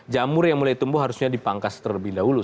jamur yang mulai tumbuh harusnya dipangkas terlebih dahulu